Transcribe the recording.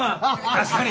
確かに。